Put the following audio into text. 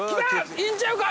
いいんちゃうか？